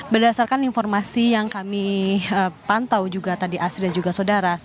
berdasarkan informasi yang kami pantau juga tadi asri dan juga saudara